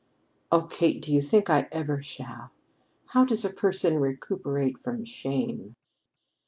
"Oh, Kate, do you think I ever shall? How does a person recuperate from shame?"